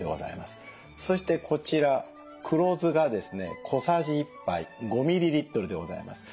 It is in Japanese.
そしてこちら黒酢がですね小さじ１杯５ｍｌでございます。